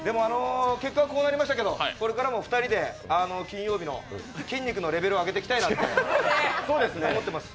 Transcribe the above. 結果はこうなりましたけど、これからも２人で金曜日の筋肉のレベルを上げていきたいなと思ってます。